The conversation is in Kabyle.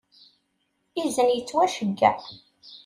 Izen yettwaceyyeɛ.